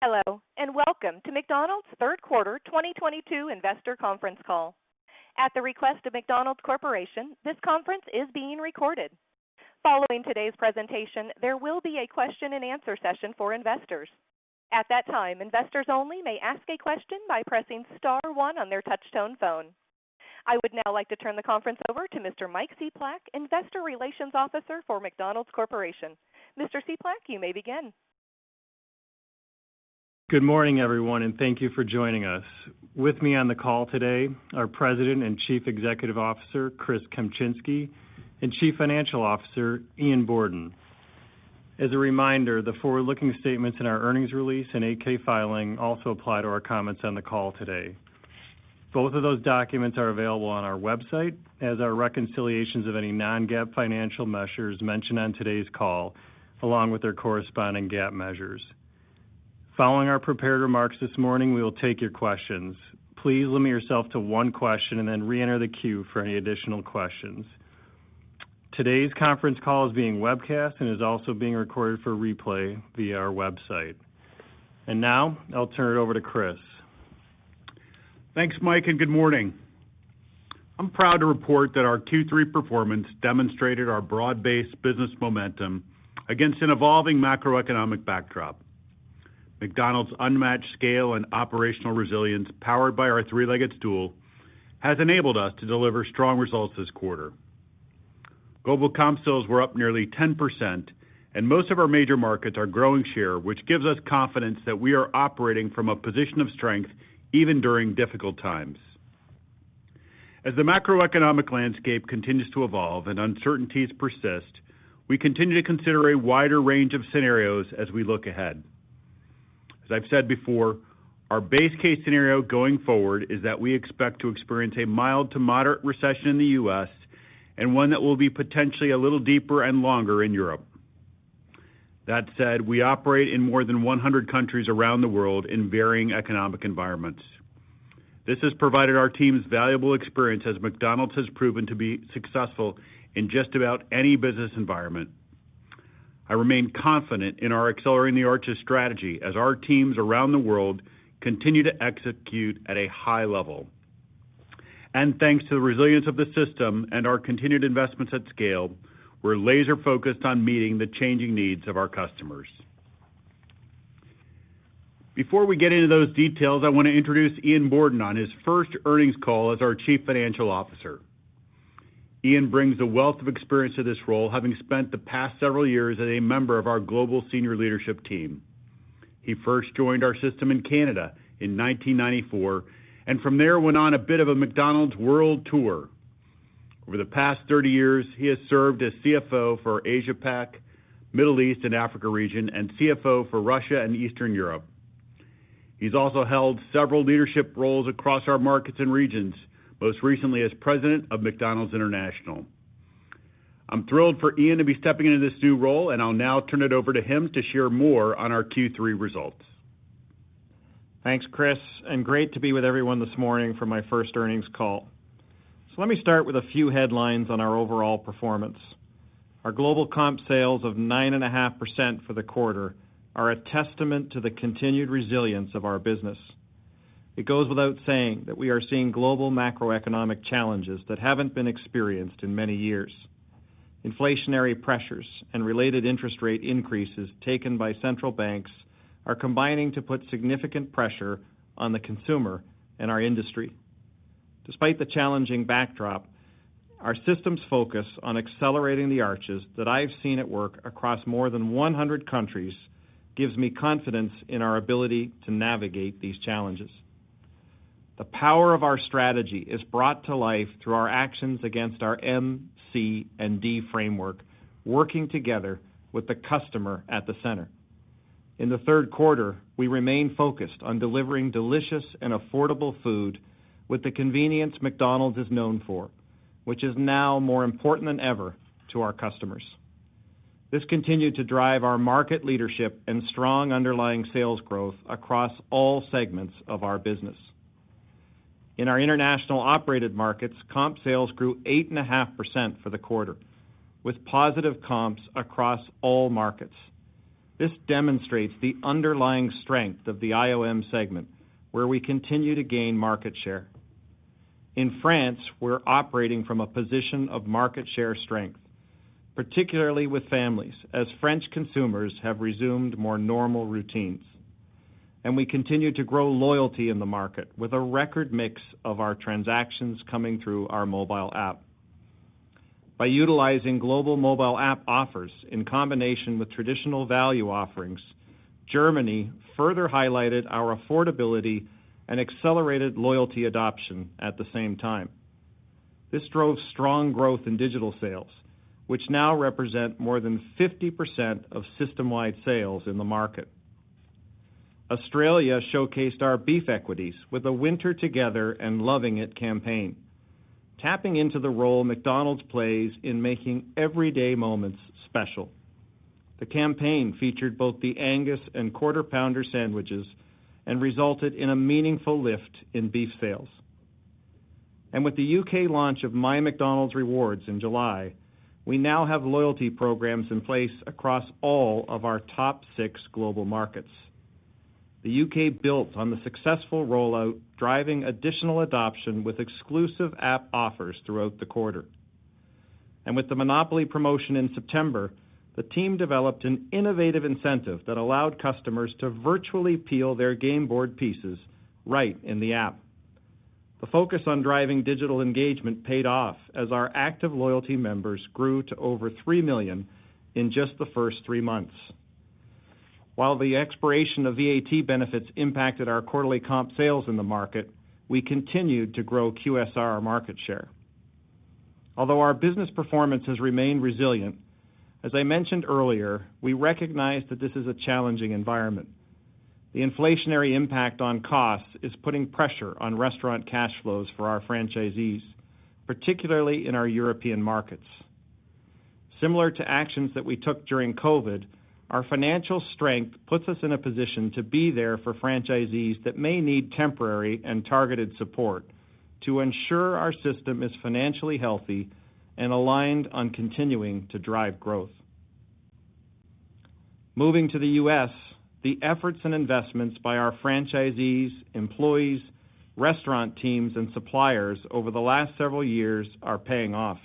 Hello, and welcome to McDonald's Third Quarter 2022 Investor Conference Call. At the request of McDonald's Corporation, this conference is being recorded. Following today's presentation, there will be a question-and-answer session for investors. At that time, investors only may ask a question by pressing star one on their touchtone phone. I would now like to turn the conference over to Mr. Mike Cieplak, Investor Relations Officer for McDonald's Corporation. Mr. Cieplak, you may begin. Good morning, everyone, and thank you for joining us. With me on the call today, our President and Chief Executive Officer, Chris Kempczinski, and Chief Financial Officer, Ian Borden. As a reminder, the forward-looking statements in our earnings release and 8-K filing also apply to our comments on the call today. Both of those documents are available on our website as are reconciliations of any non-GAAP financial measures mentioned on today's call, along with their corresponding GAAP measures. Following our prepared remarks this morning, we will take your questions. Please limit yourself to one question and then reenter the queue for any additional questions. Today's conference call is being webcast and is also being recorded for replay via our website. Now, I'll turn it over to Chris. Thanks, Mike, and good morning. I'm proud to report that our Q3 performance demonstrated our broad-based business momentum against an evolving macroeconomic backdrop. McDonald's unmatched scale and operational resilience, powered by our three-legged stool, has enabled us to deliver strong results this quarter. Global comp sales were up nearly 10%, and most of our major markets are growing share, which gives us confidence that we are operating from a position of strength even during difficult times. As the macroeconomic landscape continues to evolve and uncertainties persist, we continue to consider a wider range of scenarios as we look ahead. As I've said before, our base case scenario going forward is that we expect to experience a mild to moderate recession in the U.S. and one that will be potentially a little deeper and longer in Europe. That said, we operate in more than 100 countries around the world in varying economic environments. This has provided our teams valuable experience as McDonald's has proven to be successful in just about any business environment. I remain confident in our Accelerating the Arches strategy as our teams around the world continue to execute at a high level. Thanks to the resilience of the system and our continued investments at scale, we're laser-focused on meeting the changing needs of our customers. Before we get into those details, I want to introduce Ian Borden on his first earnings call as our Chief Financial Officer. Ian brings a wealth of experience to this role, having spent the past several years as a member of our global senior leadership team. He first joined our system in Canada in 1994, and from there, went on a bit of a McDonald's world tour. Over the past 30 years, he has served as CFO for Asia Pac, Middle East, and Africa region, and CFO for Russia and Eastern Europe. He's also held several leadership roles across our markets and regions, most recently as President of McDonald's International. I'm thrilled for Ian to be stepping into this new role, and I'll now turn it over to him to share more on our Q3 results. Thanks, Chris, and great to be with everyone this morning for my first earnings call. Let me start with a few headlines on our overall performance. Our global comp sales of 9.5% for the quarter are a testament to the continued resilience of our business. It goes without saying that we are seeing global macroeconomic challenges that haven't been experienced in many years. Inflationary pressures and related interest rate increases taken by central banks are combining to put significant pressure on the consumer and our industry. Despite the challenging backdrop, our system's focus on Accelerating the Arches that I've seen at work across more than one hundred countries gives me confidence in our ability to navigate these challenges. The power of our strategy is brought to life through our actions against our M, C, and D framework, working together with the customer at the center. In the third quarter, we remained focused on delivering delicious and affordable food with the convenience McDonald's is known for, which is now more important than ever to our customers. This continued to drive our market leadership and strong underlying sales growth across all segments of our business. In our international operated markets, comp sales grew 8.5% for the quarter, with positive comps across all markets. This demonstrates the underlying strength of the IOM segment, where we continue to gain market share. In France, we're operating from a position of market share strength, particularly with families, as French consumers have resumed more normal routines. We continue to grow loyalty in the market with a record mix of our transactions coming through our mobile app. By utilizing global mobile app offers in combination with traditional value offerings, Germany further highlighted our affordability and accelerated loyalty adoption at the same time. This drove strong growth in digital sales, which now represent more than 50% of system-wide sales in the market. Australia showcased our beef equities with a Winter Together and Lovin' It campaign, tapping into the role McDonald's plays in making everyday moments special. The campaign featured both the Angus and Quarter Pounder sandwiches and resulted in a meaningful lift in beef sales. With the U.K. launch of MyMcDonald's Rewards in July, we now have loyalty programs in place across all of our top six global markets. The U.K. built on the successful rollout, driving additional adoption with exclusive app offers throughout the quarter. With the Monopoly promotion in September, the team developed an innovative incentive that allowed customers to virtually peel their game board pieces right in the app. The focus on driving digital engagement paid off as our active loyalty members grew to over three million in just the first three months. While the expiration of VAT benefits impacted our quarterly comp sales in the market, we continued to grow QSR market share. Although our business performance has remained resilient, as I mentioned earlier, we recognize that this is a challenging environment. The inflationary impact on costs is putting pressure on restaurant cash flows for our franchisees, particularly in our European markets. Similar to actions that we took during COVID, our financial strength puts us in a position to be there for franchisees that may need temporary and targeted support to ensure our system is financially healthy and aligned on continuing to drive growth. Moving to the U.S., the efforts and investments by our franchisees, employees, restaurant teams, and suppliers over the last several years are paying off.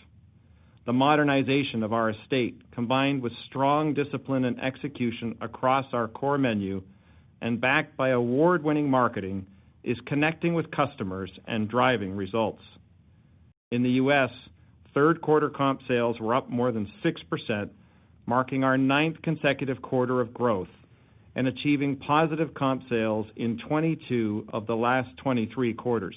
The modernization of our estate, combined with strong discipline and execution across our core menu and backed by award-winning marketing, is connecting with customers and driving results. In the U.S., third quarter comp sales were up more than 6%, marking our ninth consecutive quarter of growth and achieving positive comp sales in 20 of the last 23 quarters.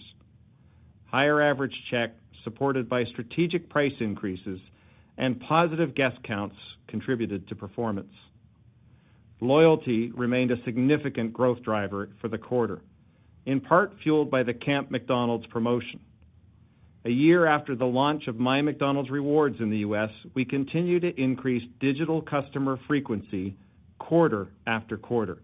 Higher average check, supported by strategic price increases and positive guest counts, contributed to performance. Loyalty remained a significant growth driver for the quarter, in part fueled by the Camp McDonald's promotion. A year after the launch of MyMcDonald's Rewards in the U.S., we continue to increase digital customer frequency quarter after quarter.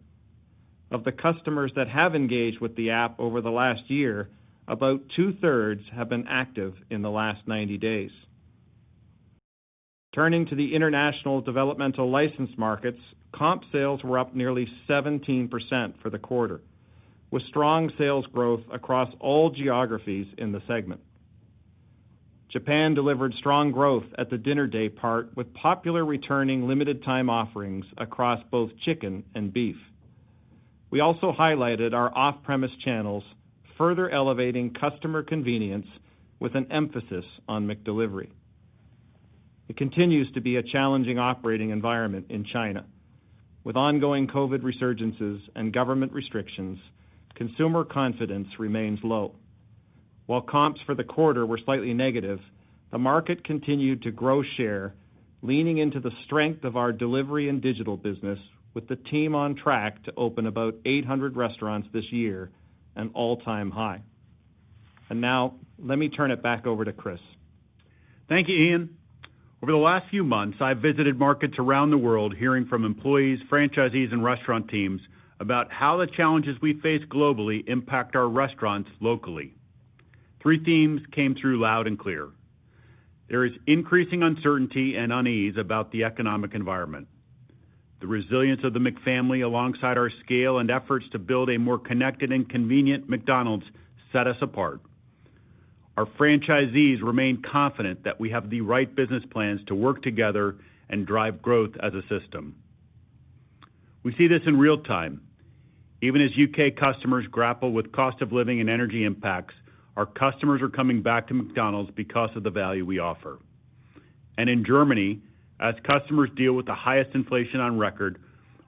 Of the customers that have engaged with the app over the last year, about two-thirds have been active in the last 90 days. Turning to the international developmental license markets, comp sales were up nearly 17% for the quarter, with strong sales growth across all geographies in the segment. Japan delivered strong growth at the dinner daypart with popular returning limited time offerings across both chicken and beef. We also highlighted our off-premise channels, further elevating customer convenience with an emphasis on McDelivery. It continues to be a challenging operating environment in China. With ongoing COVID resurgences and government restrictions, consumer confidence remains low. While comps for the quarter were slightly negative, the market continued to grow share, leaning into the strength of our delivery and digital business with the team on track to open about 800 restaurants this year, an all-time high. Now let me turn it back over to Chris. Thank you, Ian. Over the last few months, I've visited markets around the world hearing from employees, franchisees, and restaurant teams about how the challenges we face globally impact our restaurants locally. Three themes came through loud and clear. There is increasing uncertainty and unease about the economic environment. The resilience of the McFamily, alongside our scale and efforts to build a more connected and convenient McDonald's, set us apart. Our franchisees remain confident that we have the right business plans to work together and drive growth as a system. We see this in real time. Even as UK customers grapple with cost of living and energy impacts, our customers are coming back to McDonald's because of the value we offer. In Germany, as customers deal with the highest inflation on record,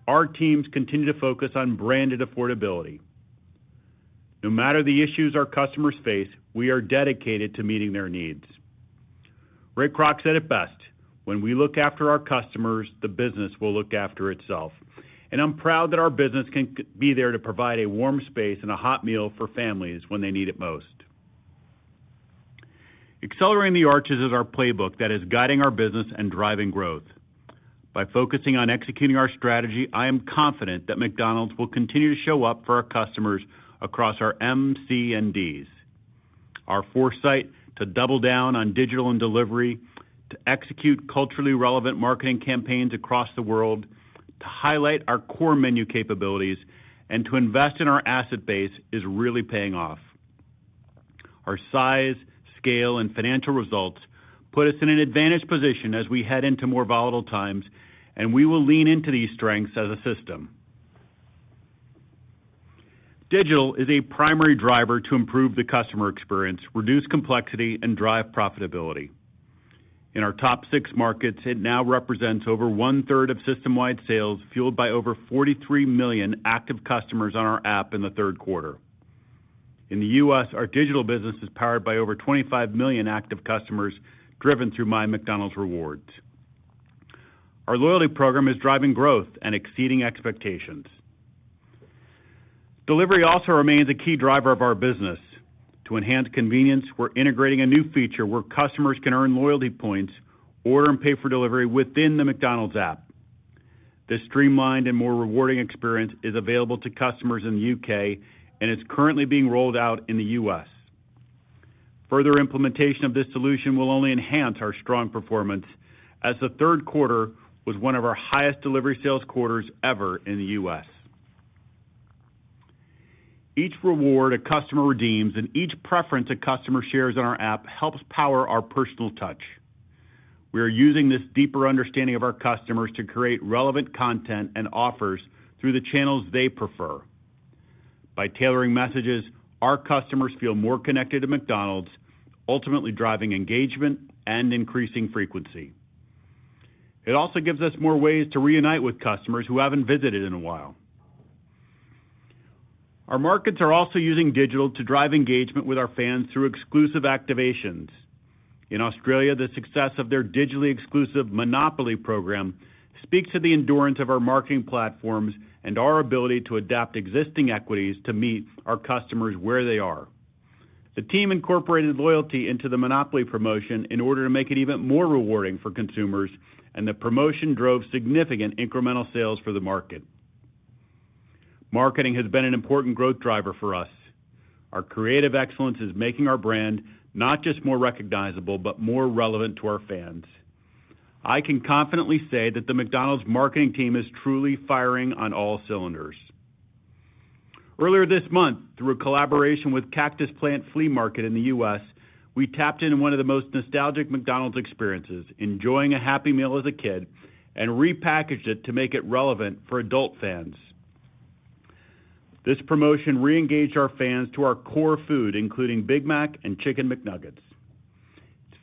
our teams continue to focus on branded affordability. No matter the issues our customers face, we are dedicated to meeting their needs. Ray Kroc said it best, "When we look after our customers, the business will look after itself." I'm proud that our business can be there to provide a warm space and a hot meal for families when they need it most. Accelerating the Arches is our playbook that is guiding our business and driving growth. By focusing on executing our strategy, I am confident that McDonald's will continue to show up for our customers across our MCDs. Our foresight to double down on digital and delivery, to execute culturally relevant marketing campaigns across the world, to highlight our core menu capabilities, and to invest in our asset base is really paying off. Our size, scale, and financial results put us in an advantageous position as we head into more volatile times, and we will lean into these strengths as a system. Digital is a primary driver to improve the customer experience, reduce complexity, and drive profitability. In our top six markets, it now represents over 1/3 of system-wide sales, fueled by over 43 million active customers on our app in the third quarter. In the U.S., our digital business is powered by over 25 million active customers driven through MyMcDonald's Rewards. Our loyalty program is driving growth and exceeding expectations. Delivery also remains a key driver of our business. To enhance convenience, we're integrating a new feature where customers can earn loyalty points, order and pay for delivery within the McDonald's app. This streamlined and more rewarding experience is available to customers in the UK and is currently being rolled out in the US. Further implementation of this solution will only enhance our strong performance as the third quarter was one of our highest delivery sales quarters ever in the US. Each reward a customer redeems and each preference a customer shares on our app helps power our personal touch. We are using this deeper understanding of our customers to create relevant content and offers through the channels they prefer. By tailoring messages, our customers feel more connected to McDonald's, ultimately driving engagement and increasing frequency. It also gives us more ways to reunite with customers who haven't visited in a while. Our markets are also using digital to drive engagement with our fans through exclusive activations. In Australia, the success of their digitally exclusive Monopoly program speaks to the endurance of our marketing platforms and our ability to adapt existing equities to meet our customers where they are. The team incorporated loyalty into the Monopoly promotion in order to make it even more rewarding for consumers, and the promotion drove significant incremental sales for the market. Marketing has been an important growth driver for us. Our creative excellence is making our brand not just more recognizable, but more relevant to our fans. I can confidently say that the McDonald's marketing team is truly firing on all cylinders. Earlier this month, through a collaboration with Cactus Plant Flea Market in the U.S., we tapped into one of the most nostalgic McDonald's experiences, enjoying a Happy Meal as a kid, and repackaged it to make it relevant for adult fans. This promotion re-engaged our fans to our core food, including Big Mac and Chicken McNuggets.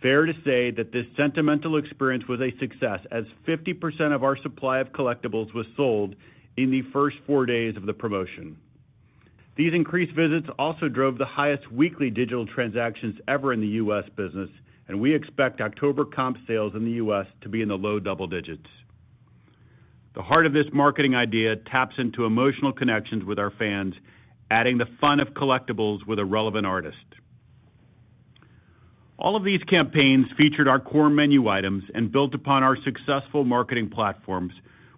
It's fair to say that this sentimental experience was a success as 50% of our supply of collectibles was sold in the first four days of the promotion. These increased visits also drove the highest weekly digital transactions ever in the U.S. business, and we expect October comp sales in the U.S. to be in the low double digits. The heart of this marketing idea taps into emotional connections with our fans, adding the fun of collectibles with a relevant artist. All of these campaigns featured our core menu items and built upon our successful marketing platforms,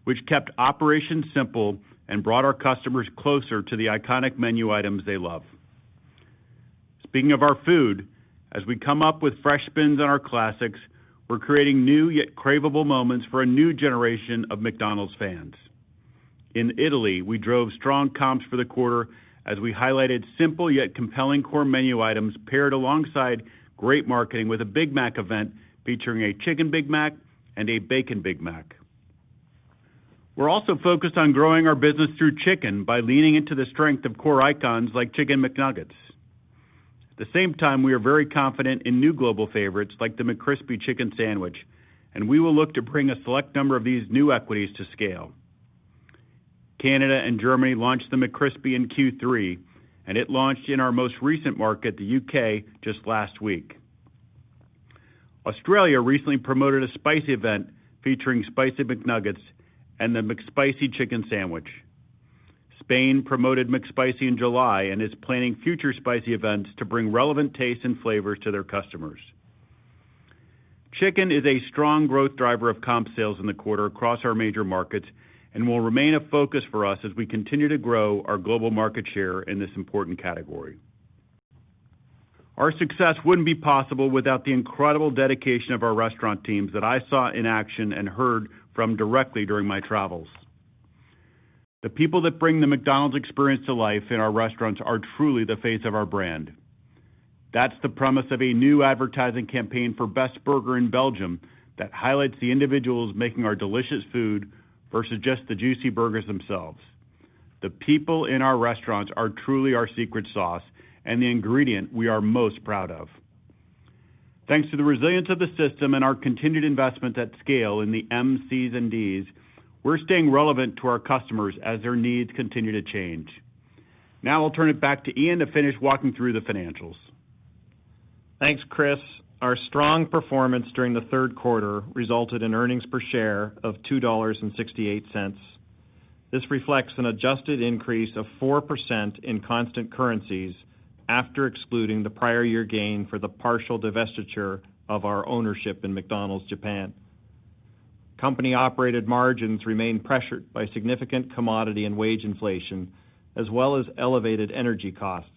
which kept operations simple and brought our customers closer to the iconic menu items they love. Speaking of our food, as we come up with fresh spins on our classics, we're creating new yet craveable moments for a new generation of McDonald's fans. In Italy, we drove strong comps for the quarter as we highlighted simple yet compelling core menu items paired alongside great marketing with a Big Mac event featuring a Chicken Big Mac and a Bacon Big Mac. We're also focused on growing our business through chicken by leaning into the strength of core icons like Chicken McNuggets. At the same time, we are very confident in new global favorites like the McCrispy Chicken Sandwich, and we will look to bring a select number of these new equities to scale. Canada and Germany launched the McCrispy in Q3, and it launched in our most recent market, the UK, just last week. Australia recently promoted a spicy event featuring Spicy McNuggets and the McSpicy Chicken Sandwich. Spain promoted McSpicy in July and is planning future spicy events to bring relevant tastes and flavors to their customers. Chicken is a strong growth driver of comp sales in the quarter across our major markets and will remain a focus for us as we continue to grow our global market share in this important category. Our success wouldn't be possible without the incredible dedication of our restaurant teams that I saw in action and heard from directly during my travels. The people that bring the McDonald's experience to life in our restaurants are truly the face of our brand. That's the premise of a new advertising campaign for Best Burger in Belgium that highlights the individuals making our delicious food versus just the juicy burgers themselves. The people in our restaurants are truly our secret sauce and the ingredient we are most proud of. Thanks to the resilience of the system and our continued investment at scale in the M, Cs, and Ds, we're staying relevant to our customers as their needs continue to change. Now I'll turn it back to Ian Borden to finish walking through the financials. Thanks, Chris. Our strong performance during the third quarter resulted in earnings per share of $2.68. This reflects an adjusted increase of 4% in constant currencies after excluding the prior year gain for the partial divestiture of our ownership in McDonald's Japan. Company-operated margins remain pressured by significant commodity and wage inflation, as well as elevated energy costs.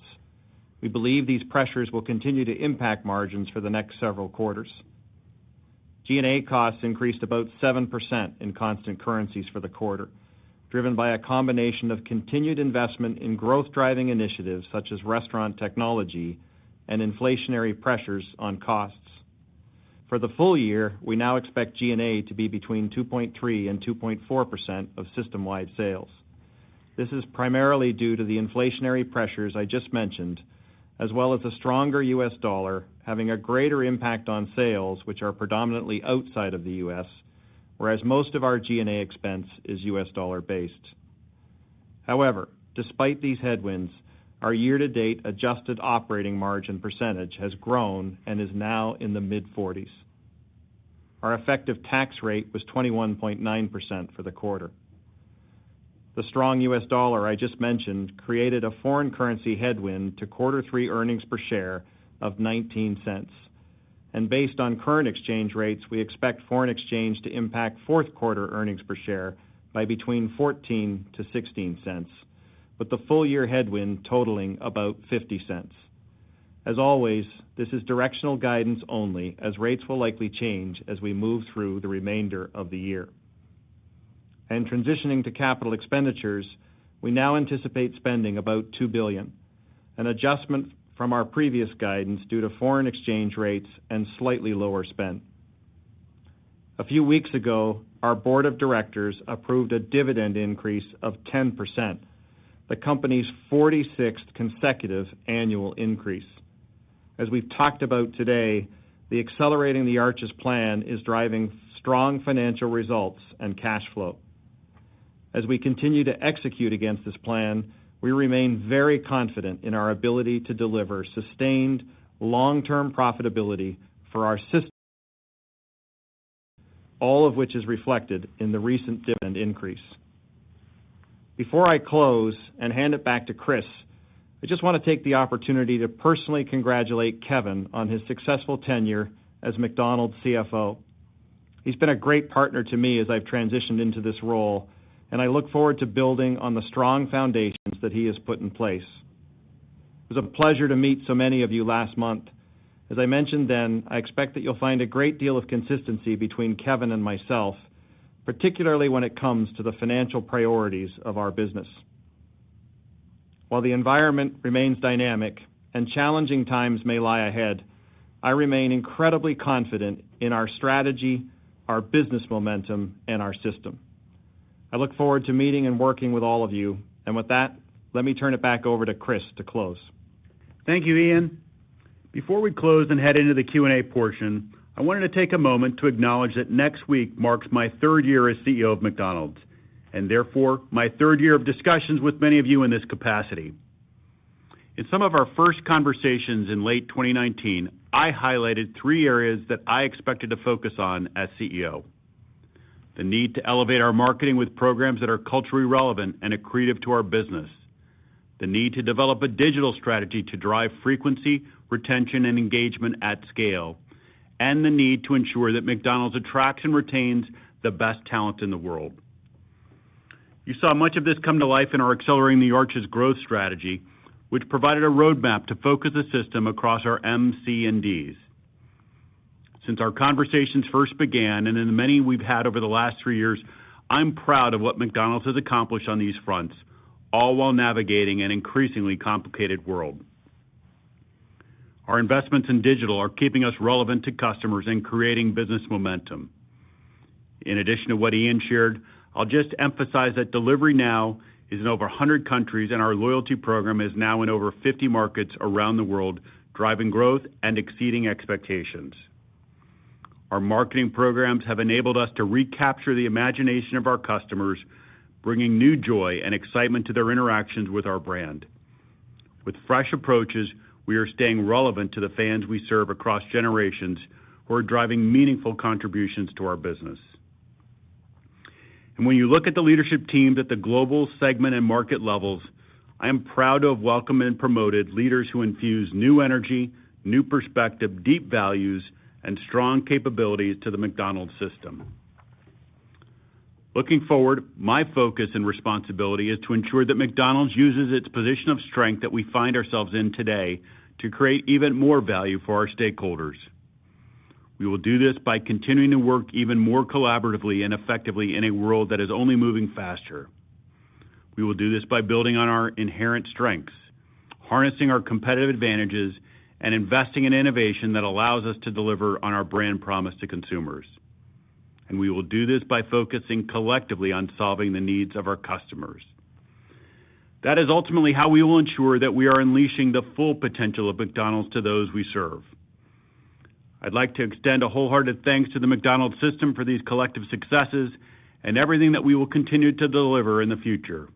We believe these pressures will continue to impact margins for the next several quarters. G&A costs increased about 7% in constant currencies for the quarter, driven by a combination of continued investment in growth-driving initiatives such as restaurant technology and inflationary pressures on costs. For the full year, we now expect G&A to be between 2.3% and 2.4% of system-wide sales. This is primarily due to the inflationary pressures I just mentioned, as well as a stronger US dollar having a greater impact on sales which are predominantly outside of the US, whereas most of our G&A expense is US dollar based. However, despite these headwinds, our year-to-date adjusted operating margin percentage has grown and is now in the mid-40s%. Our effective tax rate was 21.9% for the quarter. The strong US dollar I just mentioned created a foreign currency headwind to quarter three earnings per share of $0.19. Based on current exchange rates, we expect foreign exchange to impact fourth quarter earnings per share by between $0.14-$0.16, with the full year headwind totaling about $0.50. As always, this is directional guidance only as rates will likely change as we move through the remainder of the year. Transitioning to capital expenditures, we now anticipate spending about $2 billion, an adjustment from our previous guidance due to foreign exchange rates and slightly lower spend. A few weeks ago, our board of directors approved a dividend increase of 10%, the company's 46th consecutive annual increase. As we've talked about today, the Accelerating the Arches plan is driving strong financial results and cash flow. As we continue to execute against this plan, we remain very confident in our ability to deliver sustained long-term profitability for our system, all of which is reflected in the recent dividend increase. Before I close and hand it back to Chris, I just want to take the opportunity to personally congratulate Kevin on his successful tenure as McDonald's CFO. He's been a great partner to me as I've transitioned into this role, and I look forward to building on the strong foundations that he has put in place. It was a pleasure to meet so many of you last month. As I mentioned then, I expect that you'll find a great deal of consistency between Kevin and myself, particularly when it comes to the financial priorities of our business. While the environment remains dynamic and challenging times may lie ahead, I remain incredibly confident in our strategy, our business momentum, and our system. I look forward to meeting and working with all of you. With that, let me turn it back over to Chris to close. Thank you, Ian. Before we close and head into the Q&A portion, I wanted to take a moment to acknowledge that next week marks my third year as CEO of McDonald's, and therefore my third year of discussions with many of you in this capacity. In some of our first conversations in late 2019, I highlighted three areas that I expected to focus on as CEO. The need to elevate our marketing with programs that are culturally relevant and accretive to our business, the need to develop a digital strategy to drive frequency, retention, and engagement at scale, and the need to ensure that McDonald's attracts and retains the best talent in the world. You saw much of this come to life in our Accelerating the Arches growth strategy, which provided a roadmap to focus the system across our MCDs. Since our conversations first began, and in the many we've had over the last three years, I'm proud of what McDonald's has accomplished on these fronts, all while navigating an increasingly complicated world. Our investments in digital are keeping us relevant to customers and creating business momentum. In addition to what Ian shared, I'll just emphasize that delivery now is in over 100 countries, and our loyalty program is now in over 50 markets around the world, driving growth and exceeding expectations. Our marketing programs have enabled us to recapture the imagination of our customers, bringing new joy and excitement to their interactions with our brand. With fresh approaches, we are staying relevant to the fans we serve across generations who are driving meaningful contributions to our business. When you look at the leadership teams at the global segment and market levels, I am proud to have welcomed and promoted leaders who infuse new energy, new perspective, deep values, and strong capabilities to the McDonald's system. Looking forward, my focus and responsibility is to ensure that McDonald's uses its position of strength that we find ourselves in today to create even more value for our stakeholders. We will do this by continuing to work even more collaboratively and effectively in a world that is only moving faster. We will do this by building on our inherent strengths, harnessing our competitive advantages, and investing in innovation that allows us to deliver on our brand promise to consumers. We will do this by focusing collectively on solving the needs of our customers. That is ultimately how we will ensure that we are unleashing the full potential of McDonald's to those we serve. I'd like to extend a wholehearted thanks to the McDonald's system for these collective successes and everything that we will continue to deliver in the future.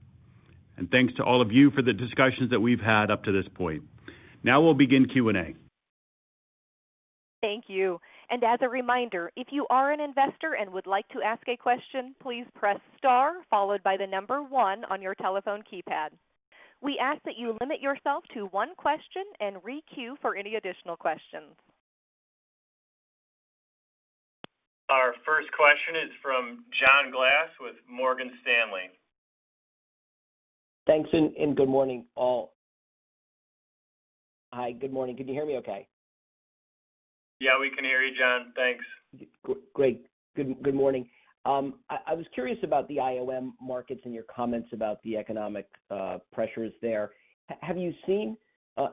Thanks to all of you for the discussions that we've had up to this point. Now we'll begin Q&A. Thank you. As a reminder, if you are an investor and would like to ask a question, please press star followed by the number one on your telephone keypad. We ask that you limit yourself to one question and re-queue for any additional questions. Our first question is from John Glass with Morgan Stanley. Thanks and good morning, all. Hi, good morning. Can you hear me okay? Yeah, we can hear you, John. Thanks. Great. Good morning. I was curious about the IOM markets and your comments about the economic pressures there. Have you seen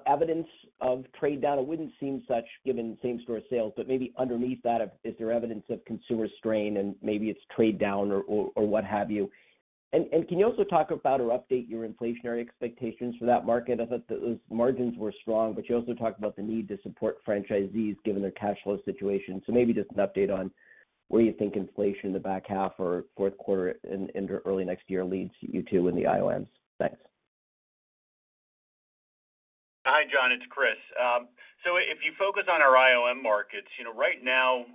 evidence of trade down? It wouldn't seem so given same-store sales, but maybe underneath that, is there evidence of consumer strain and maybe it's trade down or what have you? And can you also talk about or update your inflationary expectations for that market? I thought those margins were strong, but you also talked about the need to support franchisees given their cash flow situation. Maybe just an update on where you think inflation in the back half or fourth quarter and into early next year leads you to in the IOM. Thanks. John, it's Chris. So if you focus on our IOM markets, you know, right now,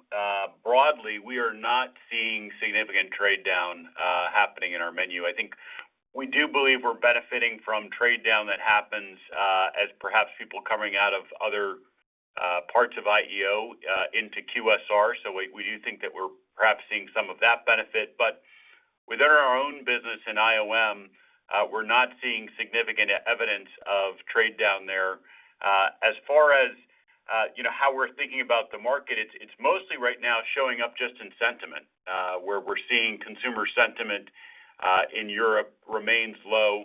broadly, we are not seeing significant trade down happening in our menu. I think we do believe we're benefiting from trade down that happens as perhaps people coming out of other parts of IEO into QSR. So we do think that we're perhaps seeing some of that benefit. But within our own business in IOM, we're not seeing significant evidence of trade down there. As far as you know, how we're thinking about the market, it's mostly right now showing up just in sentiment where we're seeing consumer sentiment in Europe remains low.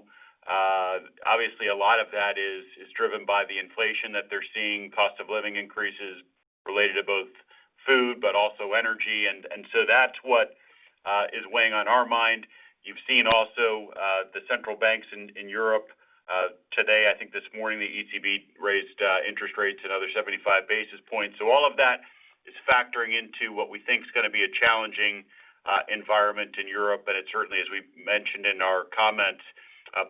Obviously, a lot of that is driven by the inflation that they're seeing, cost of living increases related to both food, but also energy and so that's what is weighing on our mind. You've seen also the central banks in Europe. Today, I think this morning, the ECB raised interest rates another 75 basis points. All of that is factoring into what we think is gonna be a challenging environment in Europe. It certainly, as we mentioned in our comments,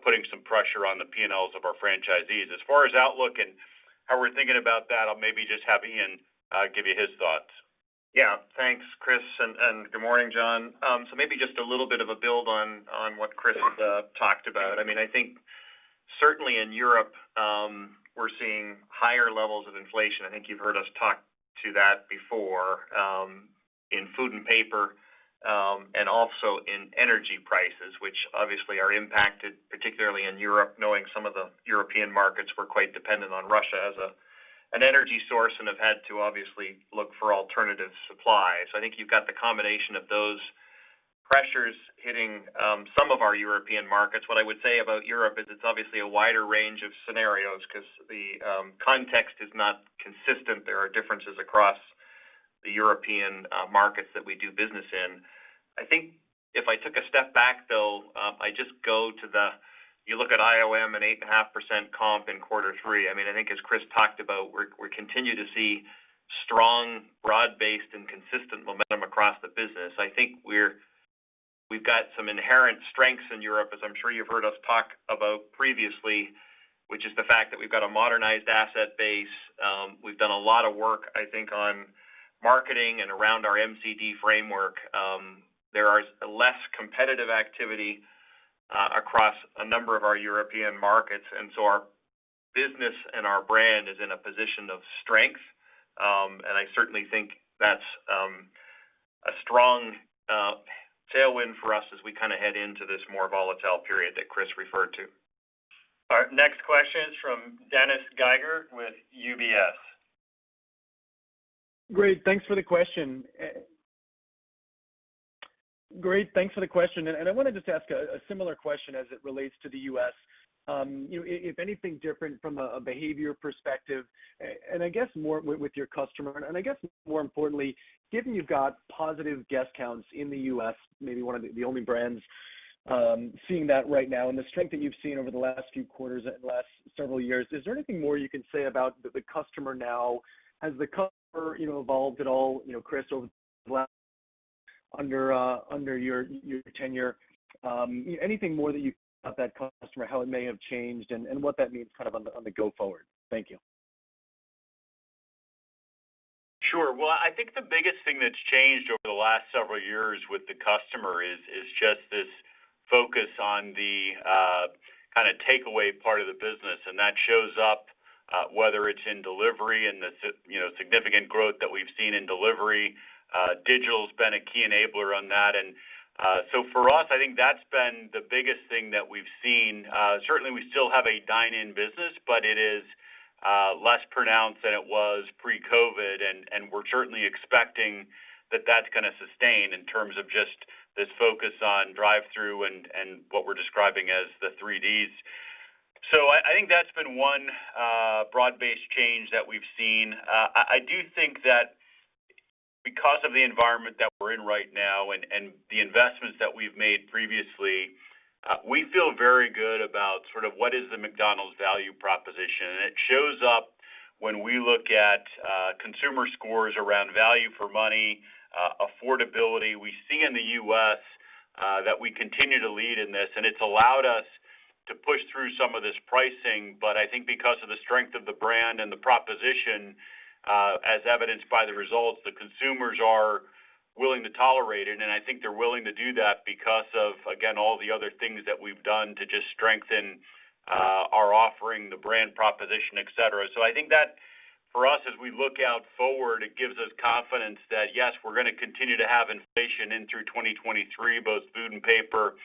putting some pressure on the P&Ls of our franchisees. As far as outlook and how we're thinking about that, I'll maybe just have Ian Borden give you his thoughts. Thanks, Chris, and good morning, John. Maybe just a little bit of a build on what Chris talked about. I mean, I think certainly in Europe, we're seeing higher levels of inflation. I think you've heard us talk to that before, in food and paper, and also in energy prices, which obviously are impacted, particularly in Europe, knowing some of the European markets were quite dependent on Russia as an energy source and have had to obviously look for alternative supplies. I think you've got the combination of those pressures hitting some of our European markets. What I would say about Europe is it's obviously a wider range of scenarios 'cause the context is not consistent. There are differences across the European markets that we do business in. I think if I took a step back, though, you look at IOM and 8.5% comp in quarter three. I mean, I think as Chris talked about, we continue to see strong, broad-based, and consistent momentum across the business. I think we've got some inherent strengths in Europe, as I'm sure you've heard us talk about previously, which is the fact that we've got a modernized asset base. We've done a lot of work, I think, on marketing and around our MCD framework. There are less competitive activity across a number of our European markets, and so our business and our brand is in a position of strength. I certainly think that's a strong tailwind for us as we kinda head into this more volatile period that Chris referred to. All right, next question is from Dennis Geiger with UBS. Great, thanks for the question. I wanna just ask a similar question as it relates to the US. You know, if anything different from a behavior perspective, and I guess more with your customer. I guess more importantly, given you've got positive guest counts in the US, maybe one of the only brands seeing that right now and the strength that you've seen over the last few quarters and last several years, is there anything more you can say about the customer now? Has the customer, you know, evolved at all, you know, Chris, over the last year under your tenure? Anything more that you've got on that customer, how it may have changed and what that means kind of on the go forward? Thank you. Sure. Well, I think the biggest thing that's changed over the last several years with the customer is just this focus on the kinda takeaway part of the business, and that shows up whether it's in delivery and the significant growth that we've seen in delivery. Digital has been a key enabler on that. For us, I think that's been the biggest thing that we've seen. Certainly, we still have a dine-in business, but it is less pronounced than it was pre-COVID, and we're certainly expecting that that's gonna sustain in terms of just this focus on drive-through and what we're describing as the three Ds. I think that's been one broad-based change that we've seen. I do think that because of the environment that we're in right now and the investments that we've made previously, we feel very good about sort of what is the McDonald's value proposition. It shows up when we look at consumer scores around value for money, affordability. We see in the U.S. that we continue to lead in this, and it's allowed us to push through some of this pricing. I think because of the strength of the brand and the proposition, as evidenced by the results, the consumers are willing to tolerate it. I think they're willing to do that because of, again, all the other things that we've done to just strengthen our offering, the brand proposition, et cetera. I think that for us, as we look out forward, it gives us confidence that, yes, we're gonna continue to have inflation in through 2023, both food and paper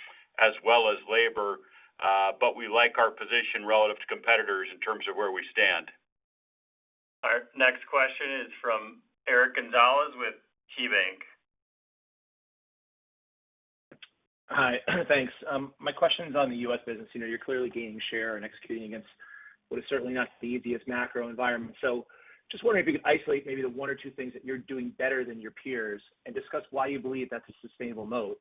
as well as labor. We like our position relative to competitors in terms of where we stand. All right, next question is from Eric Gonzalez with KeyBanc. Hi. Thanks. My question is on the U.S. business. You know, you're clearly gaining share and executing against what is certainly not the easiest macro environment. Just wondering if you could isolate maybe the one or two things that you're doing better than your peers and discuss why you believe that's a sustainable moat.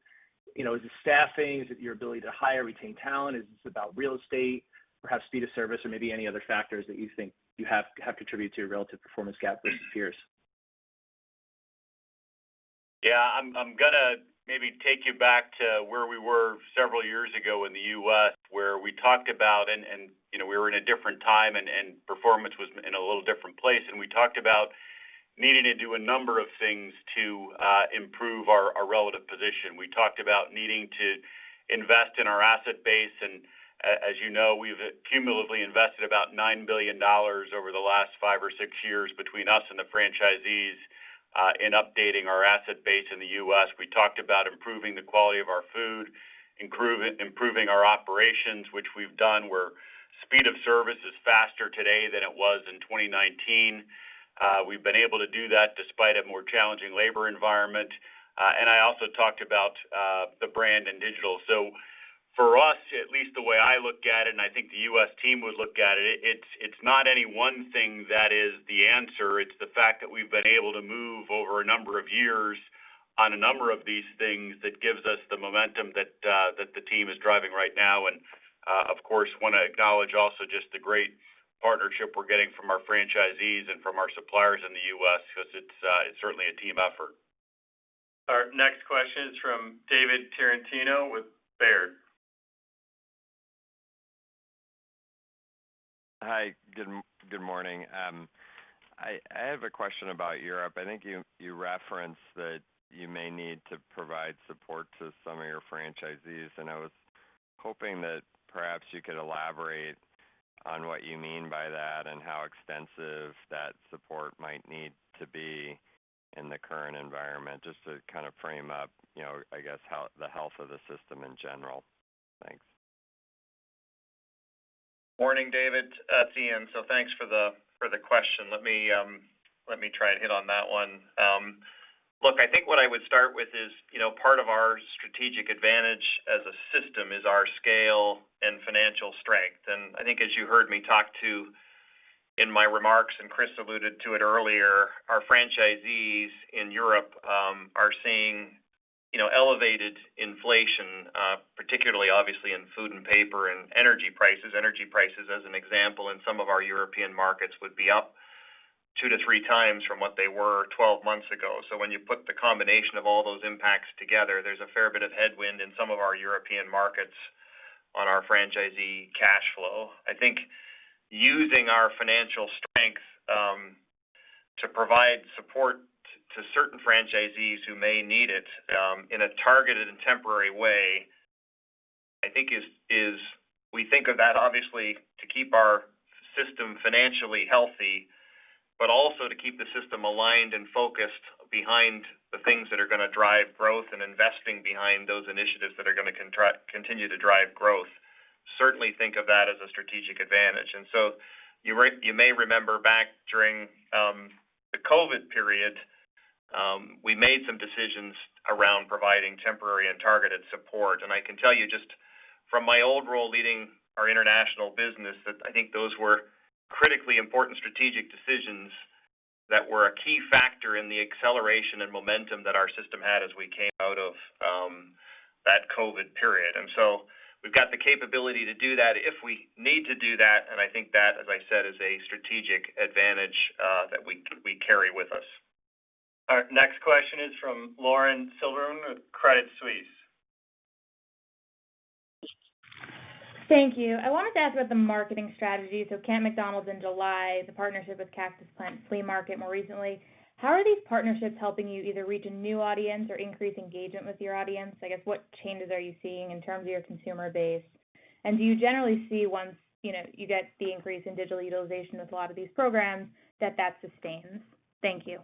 You know, is it staffing? Is it your ability to hire, retain talent? Is this about real estate, perhaps speed of service, or maybe any other factors that you think you have contributed to your relative performance gap versus peers? I'm gonna maybe take you back to where we were several years ago in the US where we talked about, you know, we were in a different time and performance was in a little different place, and we talked about needing to do a number of things to improve our relative position. We talked about needing to invest in our asset base, and as you know, we've cumulatively invested about $9 billion over the last five or six years between us and the franchisees in updating our asset base in the US. We talked about improving the quality of our food, improving our operations, which we've done, where speed of service is faster today than it was in 2019. We've been able to do that despite a more challenging labor environment. I also talked about the brand and digital. For us, at least the way I look at it, and I think the US team would look at it's not any one thing that is the answer. It's the fact that we've been able to move over a number of years on a number of these things that gives us the momentum that the team is driving right now. Of course, wanna acknowledge also just the great partnership we're getting from our franchisees and from our suppliers in the US 'cause it's certainly a team effort. Our next question is from David Tarantino with Baird. Hi. Good morning. I have a question about Europe. I think you referenced that you may need to provide support to some of your franchisees, and I was hoping that perhaps you could elaborate on what you mean by that and how extensive that support might need to be in the current environment?, Just to kind of frame up, you know, I guess, how the health of the system in general? Thanks. Morning, David. It's Ian, so thanks for the question. Let me try to hit on that one. Look, I think what I would start with is, you know, part of our strategic advantage as a system is our scale and financial strength. I think as you heard me talk to in my remarks, and Chris alluded to it earlier, our franchisees in Europe are seeing, you know, elevated inflation, particularly obviously in food and paper and energy prices. Energy prices, as an example, in some of our European markets would be up two to three times from what they were 12 months ago. When you put the combination of all those impacts together, there's a fair bit of headwind in some of our European markets on our franchisee cash flow. I think using our financial strength to provide support to certain franchisees who may need it in a targeted and temporary way, I think is. We think of that obviously to keep our system financially healthy, but also to keep the system aligned and focused behind the things that are gonna drive growth and investing behind those initiatives that are gonna continue to drive growth. Certainly think of that as a strategic advantage. You may remember back during the COVID period, we made some decisions around providing temporary and targeted support. I can tell you just from my old role leading our international business that I think those were critically important strategic decisions that were a key factor in the acceleration and momentum that our system had as we came out of that COVID period. We've got the capability to do that if we need to do that, and I think that, as I said, is a strategic advantage that we carry with us. Our next question is from Lauren Silberman with Credit Suisse. Thank you. I wanted to ask about the marketing strategy. Camp McDonald's in July, the partnership with Cactus Plant Flea Market more recently. How are these partnerships helping you either reach a new audience or increase engagement with your audience? I guess, what changes are you seeing in terms of your consumer base? Do you generally see once, you know, you get the increase in digital utilization with a lot of these programs that sustains? Thank you.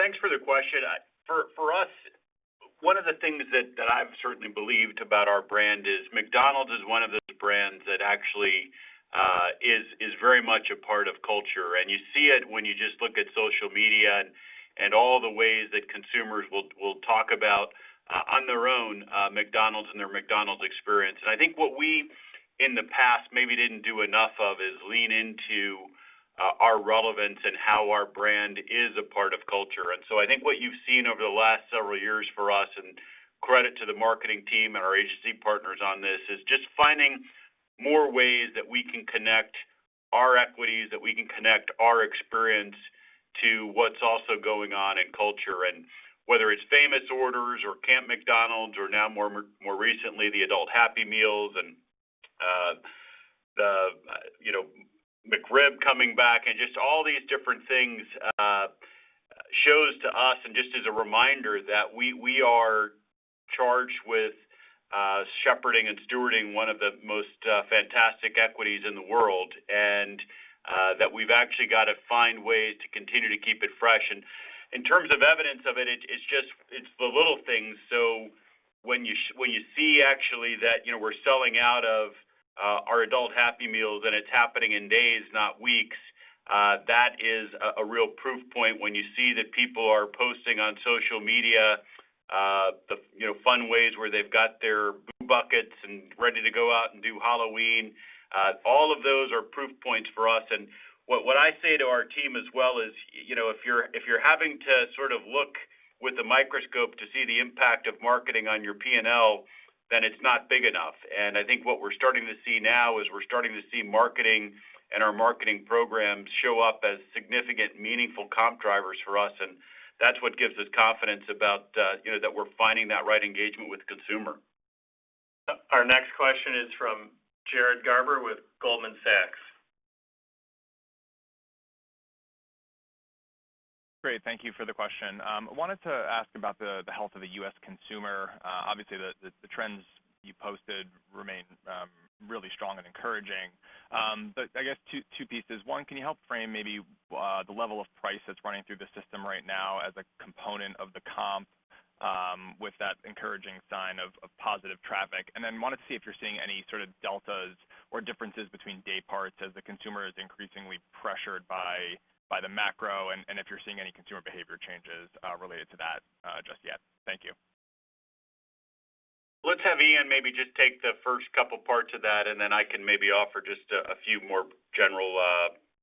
Thanks for the question. For us, one of the things that I've certainly believed about our brand is McDonald's is one of those brands that actually is very much a part of culture. You see it when you just look at social media and all the ways that consumers will talk about, on their own, McDonald's and their McDonald's experience. I think what we in the past maybe didn't do enough of is lean into our relevance and how our brand is a part of culture. I think what you've seen over the last several years for us, and credit to the marketing team and our agency partners on this, is just finding more ways that we can connect our equities, that we can connect our experience to what's also going on in culture. Whether it's famous orders or Camp McDonald's or now more recently, the adult Happy Meals and, the, you know, McRib coming back and just all these different things, shows to us and just as a reminder that we are charged with shepherding and stewarding one of the most fantastic equities in the world, and that we've actually got to find ways to continue to keep it fresh. In terms of evidence of it's just, it's the little things. When you see actually that, you know, we're selling out of our adult Happy Meals, and it's happening in days, not weeks, that is a real proof point. When you see that people are posting on social media, you know, fun ways where they've got their Boo Buckets and ready to go out and do Halloween, all of those are proof points for us. What I say to our team as well is, you know, if you're having to sort of look with a microscope to see the impact of marketing on your P&L, then it's not big enough. I think what we're starting to see now is we're starting to see marketing and our marketing programs show up as significant, meaningful comp drivers for us, and that's what gives us confidence about, you know, that we're finding that right engagement with consumer. Our next question is from Jared Garber with Goldman Sachs. Great. Thank you for the question. I wanted to ask about the health of the U.S. consumer. Obviously, the trends you posted remain really strong and encouraging. But I guess two pieces. One, can you help frame maybe the level of price that's running through the system right now as a component of the comp with that encouraging sign of positive traffic? And then wanted to see if you're seeing any sort of deltas or differences between day parts as the consumer is increasingly pressured by the macro, and if you're seeing any consumer behavior changes related to that just yet? Thank you. Let's have Ian maybe just take the first couple parts of that, and then I can maybe offer just a few more general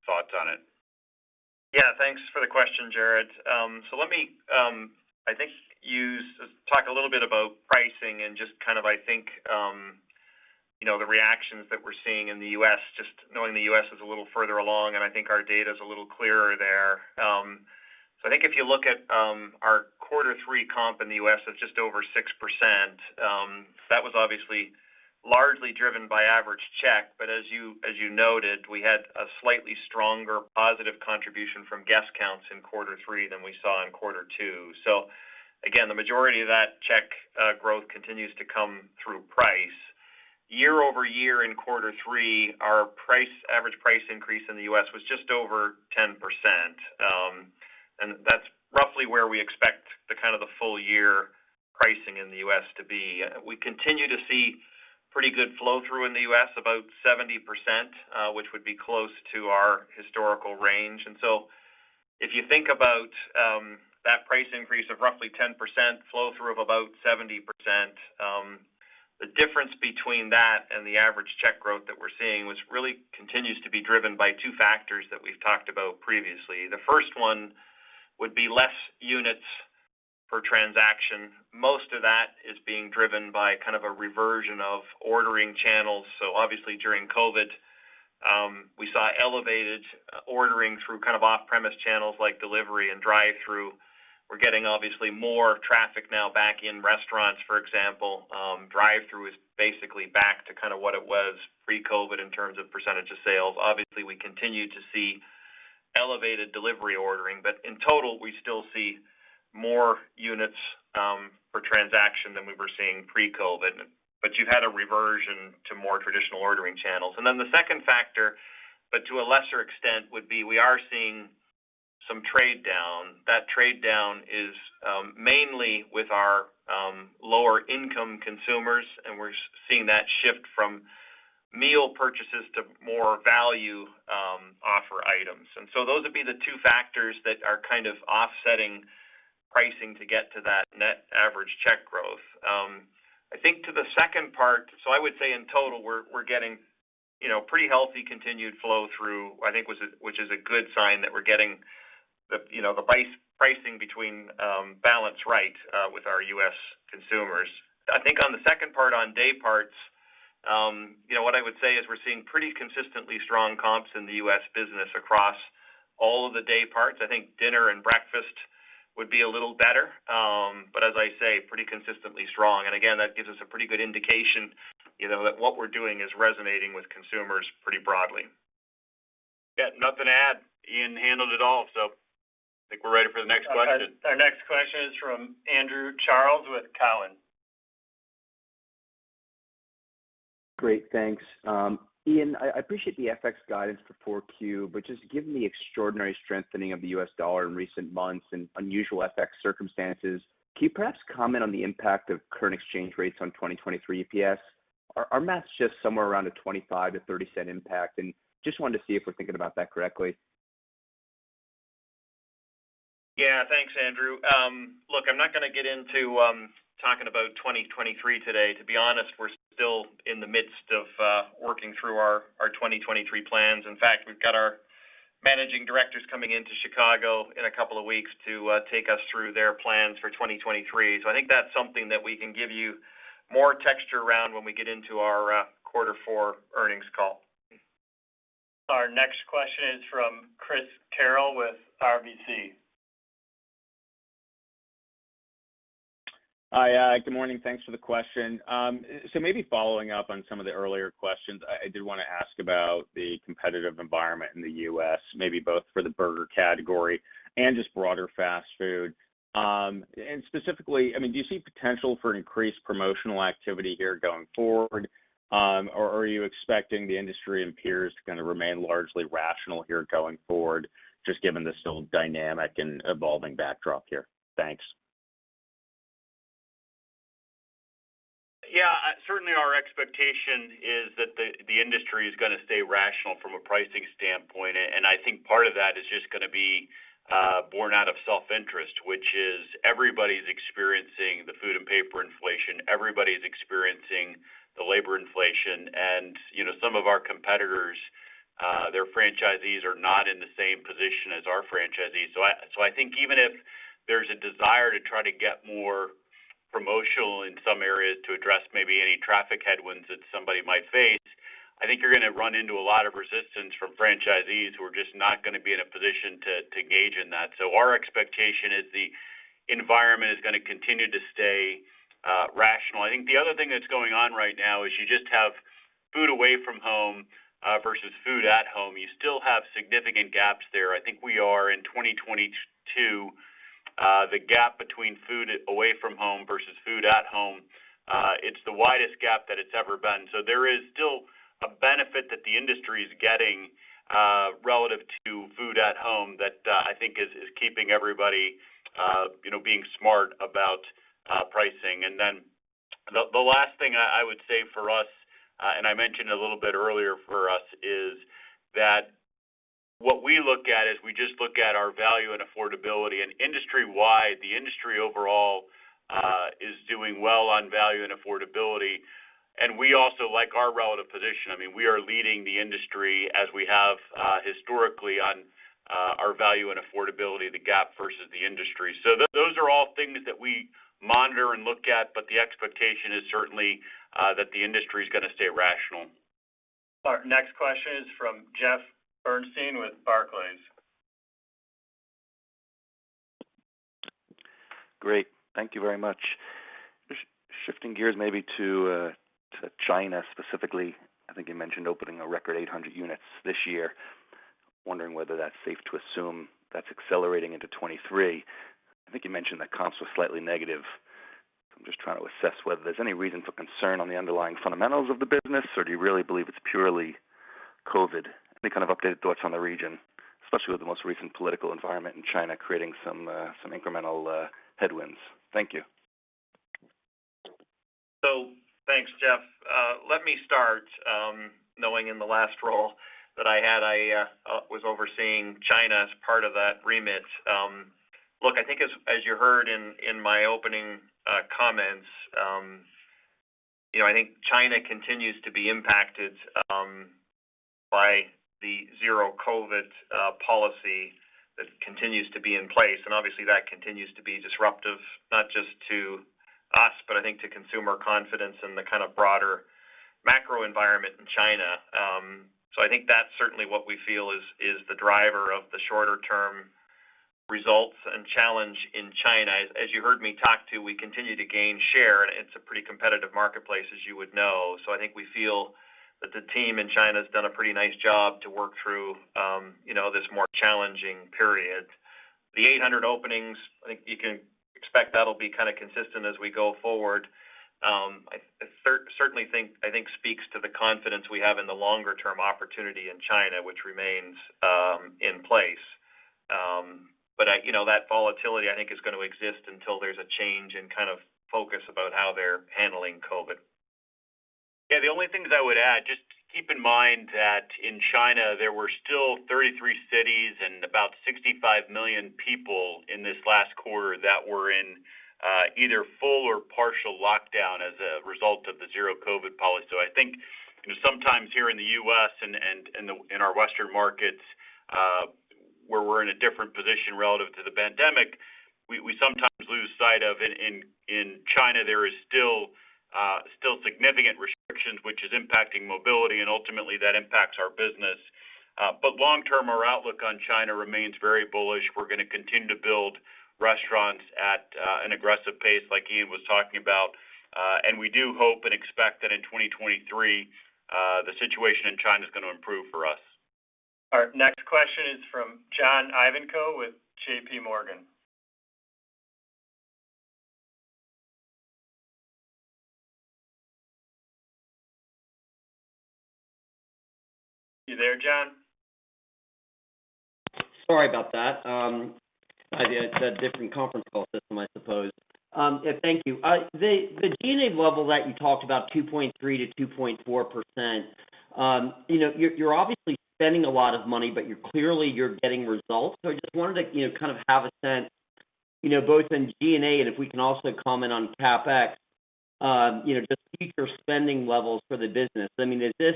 thoughts on it. Thanks for the question, Jared. Let me, I think you start to talk a little bit about pricing and just kind of, I think, you know, the reactions that we're seeing in the US, just knowing the US is a little further along, and I think our data's a little clearer there. I think if you look at our quarter three comp in the US, that's just over 6%. That was obviously largely driven by average check. As you noted, we had a slightly stronger positive contribution from guest counts in quarter three than we saw in quarter two. Again, the majority of that check growth continues to come through price. Year-over-year in quarter three, our average price increase in the US was just over 10%. That's roughly where we expect the kind of the full year pricing in the U.S. to be. We continue to see pretty good flow through in the U.S., about 70%, which would be close to our historical range. If you think about that price increase of roughly 10%, flow through of about 70%, the difference between that and the average check growth that we're seeing, which really continues to be driven by two factors that we've talked about previously. The first one would be less units per transaction. Most of that is being driven by kind of a reversion of ordering channels. Obviously, during COVID, we saw elevated ordering through kind of off-premise channels like delivery and drive-through. We're getting obviously more traffic now back in restaurants, for example. Drive-through is basically back to kind of what it was pre-COVID in terms of percentage of sales. Obviously, we continue to see elevated delivery ordering, but in total, we still see more units per transaction than we were seeing pre-COVID. You had a reversion to more traditional ordering channels. Then the second factor, but to a lesser extent, would be we are seeing some trade down. That trade down is mainly with our lower income consumers, and we're seeing that shift from meal purchases to more value offer items. Those would be the two factors that are kind of offsetting pricing to get to that net average check growth. I think to the second part. I would say in total, we're getting, you know, pretty healthy continued flow through, which is a good sign that we're getting the, you know, the price mix balance right with our U.S. consumers. I think on the second part on day parts, you know, what I would say is we're seeing pretty consistently strong comps in the U.S. business across all of the day parts. I think dinner and breakfast would be a little better, but as I say, pretty consistently strong. That gives us a pretty good indication, you know, that what we're doing is resonating with consumers pretty broadly. Yeah. Nothing to add. Ian handled it all. I think we're ready for the next question. Our next question is from Andrew Charles with Cowen. Great. Thanks. Ian, I appreciate the FX guidance for Q4, but just given the extraordinary strengthening of the US dollar in recent months and unusual FX circumstances, can you perhaps comment on the impact of current exchange rates on 2023 EPS? Our math's just somewhere around a $0.25-$0.30 impact, and just wanted to see if we're thinking about that correctly. Yeah. Thanks, Andrew. Look, I'm not gonna get into talking about 2023 today. To be honest, we're still in the midst of working through our 2023 plans. In fact, we've got our managing directors coming into Chicago in a couple of weeks to take us through their plans for 2023. I think that's something that we can give you more texture around when we get into our quarter four earnings call. Our next question is from Chris Carril with RBC. Hi. Good morning. Thanks for the question. Maybe following up on some of the earlier questions, I do wanna ask about the competitive environment in the U.S., maybe both for the burger category and just broader fast food. Specifically, I mean, do you see potential for increased promotional activity here going forward? Are you expecting the industry and peers to kind of remain largely rational here going forward, just given the still dynamic and evolving backdrop here? Thanks. Yeah. Certainly our expectation is that the industry is gonna stay rational from a pricing standpoint. I think part of that is just gonna be born out of self-interest, which is everybody's experiencing the food and paper inflation, everybody's experiencing the labor inflation. You know, some of our competitors, their franchisees are not in the same position as our franchisees. I think even if there's a desire to try to get more promotional in some areas to address maybe any traffic headwinds that somebody might face. I think you're gonna run into a lot of resistance from franchisees who are just not gonna be in a position to engage in that. Our expectation is the environment is gonna continue to stay rational. I think the other thing that's going on right now is you just have food away from home versus food at home. You still have significant gaps there. I think we are in 2022, the gap between food away from home versus food at home, it's the widest gap that it's ever been. There is still a benefit that the industry is getting relative to food at home that I think is keeping everybody you know being smart about pricing. The last thing I would say for us and I mentioned a little bit earlier for us is that what we look at is we just look at our value and affordability. Industry-wide, the industry overall is doing well on value and affordability, and we also like our relative position. I mean, we are leading the industry as we have historically on our value and affordability, the gap versus the industry. Those are all things that we monitor and look at, but the expectation is certainly that the industry is gonna stay rational. Our next question is from Jeffrey Bernstein with Barclays. Great. Thank you very much. Shifting gears maybe to China specifically. I think you mentioned opening a record 800 units this year. Wondering whether that's safe to assume that's accelerating into 2023. I think you mentioned that comps were slightly negative. I'm just trying to assess whether there's any reason for concern on the underlying fundamentals of the business, or do you really believe it's purely COVID? Any kind of updated thoughts on the region, especially with the most recent political environment in China creating some incremental headwinds. Thank you. Thanks, Jeff. Let me start knowing in the last role that I had, I was overseeing China as part of that remit. Look, I think as you heard in my opening comments, you know, I think China continues to be impacted by the zero-COVID policy that continues to be in place. Obviously that continues to be disruptive, not just to us, but I think to consumer confidence and the kind of broader macro environment in China. I think that's certainly what we feel is the driver of the shorter-term results and challenge in China. As you heard me talk about, we continue to gain share, and it's a pretty competitive marketplace, as you would know. I think we feel that the team in China has done a pretty nice job to work through, you know, this more challenging period. The 800 openings, I think you can expect that'll be kind of consistent as we go forward. I think speaks to the confidence we have in the longer-term opportunity in China, which remains in place. You know, that volatility, I think, is going to exist until there's a change in kind of focus about how they're handling COVID. Yeah, the only thing that I would add, just keep in mind that in China, there were still 33 cities and about 65 million people in this last quarter that were in either full or partial lockdown as a result of the zero COVID policy. So I think, you know, sometimes here in the U.S. and in our Western markets, where we're in a different position relative to the pandemic, we sometimes lose sight of in China, there is still significant restrictions, which is impacting mobility, and ultimately that impacts our business. But long term, our outlook on China remains very bullish. We're gonna continue to build restaurants at an aggressive pace like Ian was talking about. We do hope and expect that in 2023, the situation in China is gonna improve for us. Our next question is from John Ivankoe with JPMorgan. You there, John? Sorry about that. I did a different conference call system, I suppose. Thank you. The G&A level that you talked about, 2.3%-2.4%, you know, you're obviously spending a lot of money, but you're clearly getting results. I just wanted to, you know, kind of have a sense, you know, both in G&A, and if we can also comment on CapEx, you know, just future spending levels for the business. I mean, is this,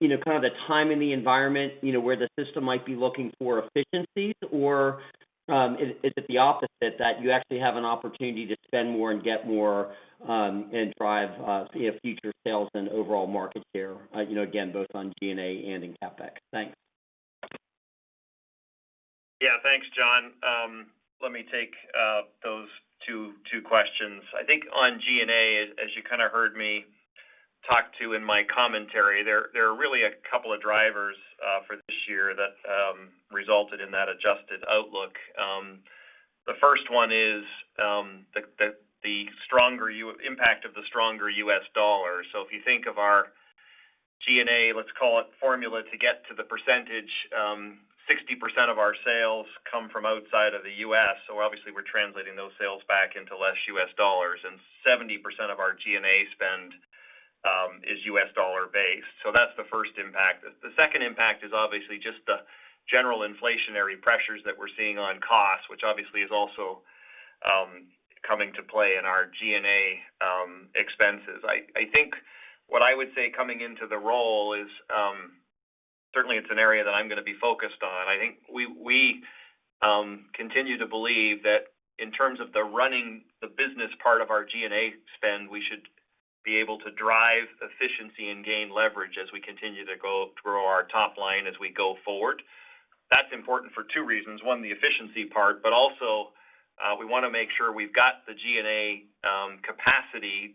you know, kind of the time in the environment, you know, where the system might be looking for efficiencies or, is it the opposite that you actually have an opportunity to spend more and get more, and drive, you know, future sales and overall market share, you know, again, both on G&A and in CapEx? Thanks. Yeah. Thanks, John. Let me take those two questions. I think on G&A, as you kinda heard me talk to in my commentary, there are really a couple of drivers for this year that resulted in that adjusted outlook. The first one is the stronger impact of the stronger U.S. dollar. So if you think of our G&A, let's call it formula to get to the percentage, 60% of our sales come from outside of the U.S. So obviously we're translating those sales back into less U.S. dollars, and 70% of our G&A spend is U.S. dollar based. So that's the first impact. The second impact is obviously just the general inflationary pressures that we're seeing on costs, which obviously is also coming to play in our G&A expenses. I think what I would say coming into the role is, Certainly, it's an area that I'm gonna be focused on. I think we continue to believe that in terms of the running the business part of our G&A spend, we should be able to drive efficiency and gain leverage as we continue to go grow our top line as we go forward. That's important for two reasons. One, the efficiency part, but also, we wanna make sure we've got the G&A capacity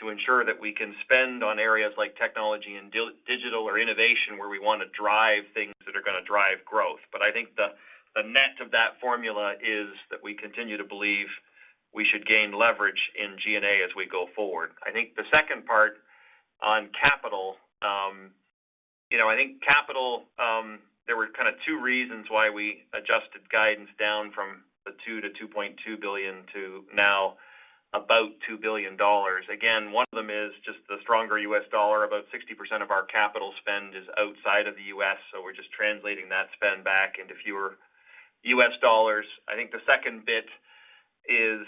to ensure that we can spend on areas like technology and digital or innovation where we wanna drive things that are gonna drive growth. But I think the net of that formula is that we continue to believe we should gain leverage in G&A as we go forward. I think the second part on capital, you know, there were kind of two reasons why we adjusted guidance down from $2 billion-$2.2 billion to now about $2 billion. Again, one of them is just the stronger U.S. dollar. About 60% of our capital spend is outside of the U.S., so we're just translating that spend back into fewer U.S. dollars. I think the second bit is,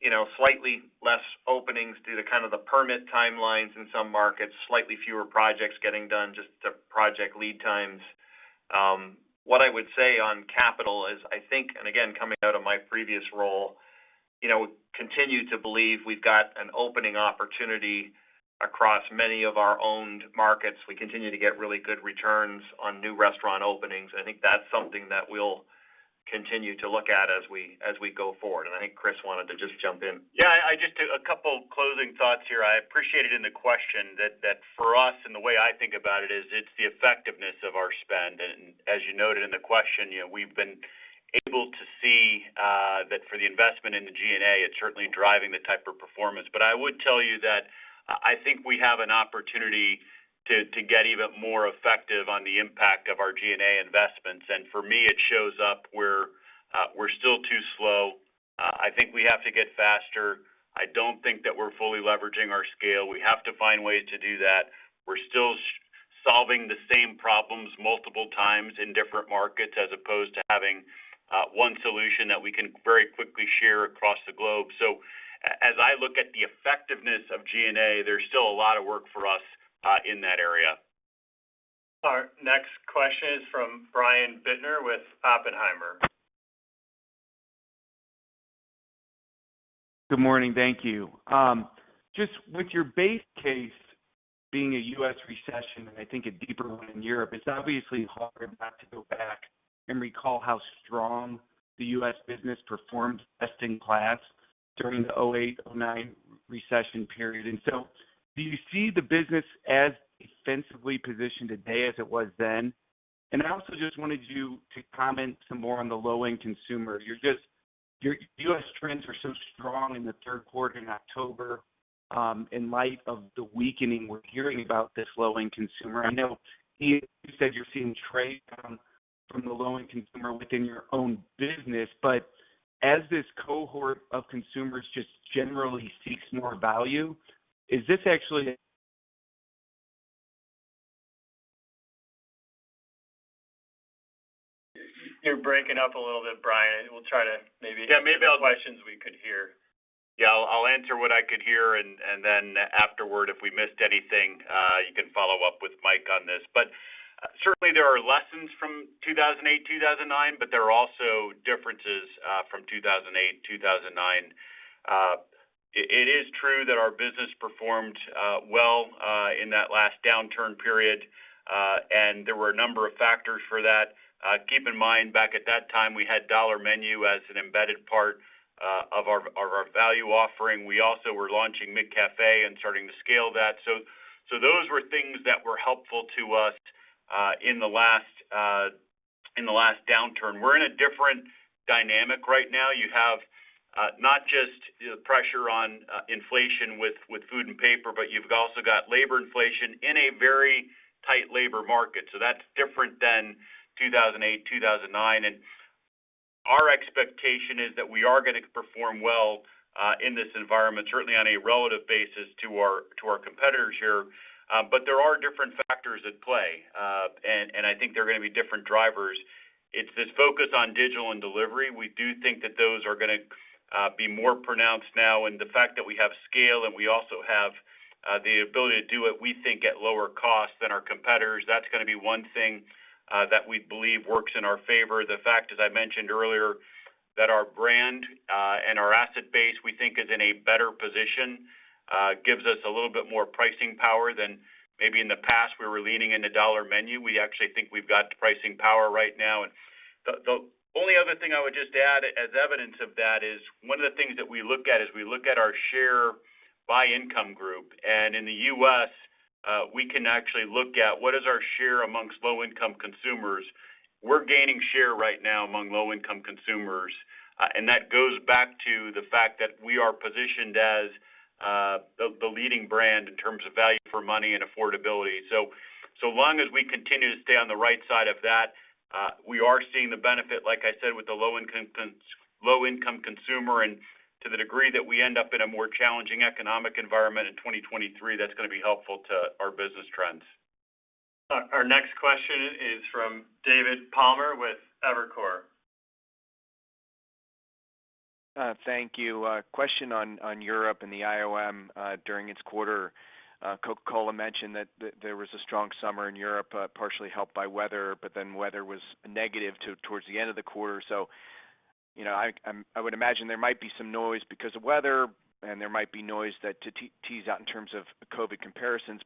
you know, slightly less openings due to kind of the permit timelines in some markets, slightly fewer projects getting done just to project lead times. What I would say on capital is I think, and again, coming out of my previous role, you know, continue to believe we've got an opening opportunity across many of our owned markets. We continue to get really good returns on new restaurant openings. I think that's something that we'll continue to look at as we go forward. I think Chris wanted to just jump in. Yeah, just a couple closing thoughts here. I appreciate the question that for us and the way I think about it is it's the effectiveness of our spend. As you noted in the question, you know, we've been able to see that for the investment in the G&A, it's certainly driving the type of performance. I would tell you that I think we have an opportunity to get even more effective on the impact of our G&A investments. For me, it shows up where we're still too slow. I think we have to get faster. I don't think that we're fully leveraging our scale. We have to find ways to do that. We're still solving the same problems multiple times in different markets as opposed to having one solution that we can very quickly share across the globe. As I look at the effectiveness of G&A, there's still a lot of work for us in that area. Our next question is from Brian Bittner with Oppenheimer. Good morning. Thank you. Just with your base case being a U.S. recession, and I think a deeper one in Europe, it's obviously hard not to go back and recall how strong the U.S. business performed best in class during the 2008, 2009 recession period. Do you see the business as defensively positioned today as it was then? I also just wanted you to comment some more on the low-end consumer. Your U.S. trends are so strong in the third quarter in October, in light of the weakening we're hearing about this low-end consumer. I know you said you're seeing trade down from the low-end consumer within your own business. But as this cohort of consumers just generally seeks more value, is this actually? You're breaking up a little bit, Brian. We'll try to maybe. Yeah, maybe. Get the questions we could hear. Yeah, I'll answer what I could hear and then afterward if we missed anything, you can follow up with Mike on this. Certainly, there are lessons from 2008, 2009, but there are also differences from 2008, 2009. It is true that our business performed well in that last downturn period, and there were a number of factors for that. Keep in mind back at that time, we Dollar Menu as an embedded part of our value offering. We also were launching McCafé and starting to scale that. Those were things that were helpful to us in the last downturn. We're in a different dynamic right now. You have not just the pressure on inflation with food and paper, but you've also got labor inflation in a very tight labor market. That's different than 2008, 2009. Our expectation is that we are gonna perform well in this environment, certainly on a relative basis to our competitors here. There are different factors at play, and I think they're gonna be different drivers. It's this focus on digital and delivery. We do think that those are gonna be more pronounced now, and the fact that we have scale and we also have the ability to do it, we think at lower cost than our competitors, that's gonna be one thing that we believe works in our favor. The fact, as I mentioned earlier, that our brand and our asset base, we think is in a better position, gives us a little bit more pricing power than maybe in the past where we're leaning in Dollar Menu. we actually think we've got pricing power right now. The only other thing I would just add as evidence of that is one of the things that we look at is we look at our share by income group. In the U.S., we can actually look at what is our share among low-income consumers. We're gaining share right now among low-income consumers, and that goes back to the fact that we are positioned as the leading brand in terms of value for money and affordability. Long as we continue to stay on the right side of that, we are seeing the benefit, like I said, with the low income consumer. To the degree that we end up in a more challenging economic environment in 2023, that's gonna be helpful to our business trends. Our next question is from David Palmer with Evercore. Thank you. Question on Europe and the IOM during its quarter. Coca-Cola mentioned that there was a strong summer in Europe, partially helped by weather, but then weather was negative towards the end of the quarter. You know, I would imagine there might be some noise because of weather and there might be noise to tease out in terms of COVID comparisons.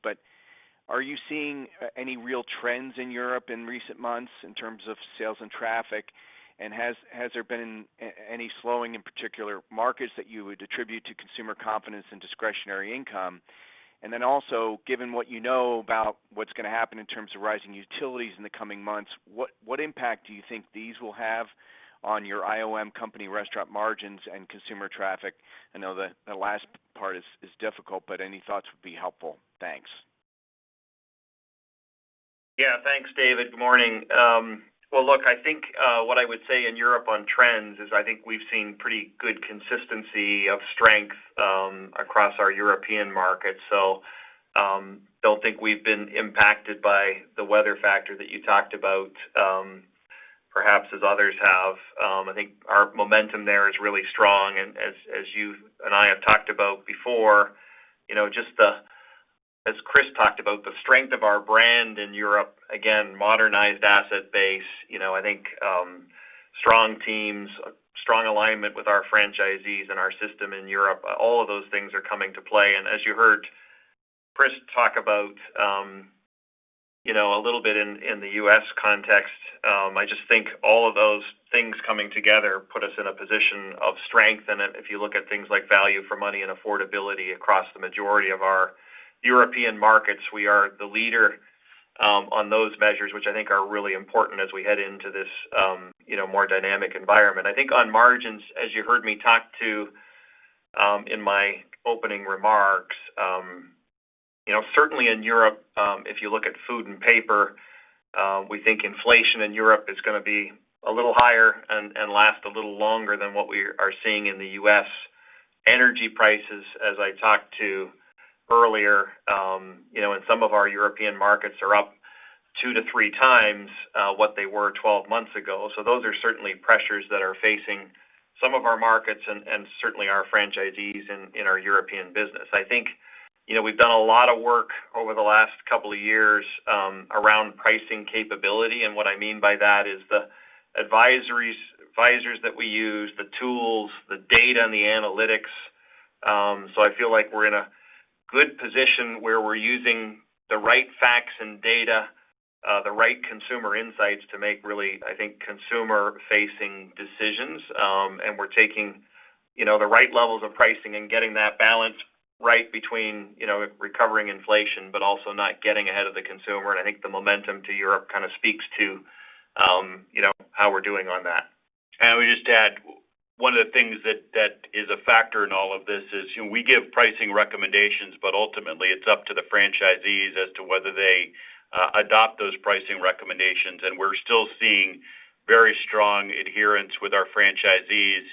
Are you seeing any real trends in Europe in recent months in terms of sales and traffic? Has there been any slowing in particular markets that you would attribute to consumer confidence and discretionary income? Given what you know about what's gonna happen in terms of rising utilities in the coming months, what impact do you think these will have on your IOM company restaurant margins and consumer traffic? I know the last part is difficult, but any thoughts would be helpful. Thanks. Yeah. Thanks, David. Good morning. Well, look, I think what I would say in Europe on trends is I think we've seen pretty good consistency of strength across our European markets. Don't think we've been impacted by the weather factor that you talked about, perhaps as others have. I think our momentum there is really strong. As you and I have talked about before, you know, as Chris talked about the strength of our brand in Europe, again, modernized asset base, you know, I think strong teams, strong alignment with our franchisees and our system in Europe, all of those things are coming into play. As you heard Chris talk about, you know, a little bit in the US context, I just think all of those things coming together put us in a position of strength. If you look at things like value for money and affordability across the majority of our European markets, we are the leader on those measures, which I think are really important as we head into this, you know, more dynamic environment. I think on margins, as you heard me talked about in my opening remarks, you know, certainly in Europe, if you look at food and paper, we think inflation in Europe is gonna be a little higher and last a little longer than what we are seeing in the U.S. Energy prices, as I talked to earlier, you know, in some of our European markets are up 2-3 times what they were 12 months ago. Those are certainly pressures that are facing some of our markets and certainly our franchisees in our European business. I think, you know, we've done a lot of work over the last couple of years around pricing capability, and what I mean by that is the advisors that we use, the tools, the data, and the analytics. I feel like we're in a good position where we're using the right facts and data, the right consumer insights to make really, I think, consumer-facing decisions. We're taking, you know, the right levels of pricing and getting that balance right between, you know, recovering inflation but also not getting ahead of the consumer. I think the momentum to Europe kind of speaks to, you know, how we're doing on that. Can we just add one of the things that is a factor in all of this is, you know, we give pricing recommendations, but ultimately it's up to the franchisees as to whether they adopt those pricing recommendations. We're still seeing very strong adherence with our franchisees